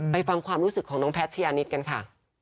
ไปฟังความรู้สึกของน้องแพทย์ชิอานิสค์กันค่ะ